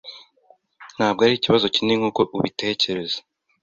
Ntabwo ari ikibazo kinini nkuko ubitekereza.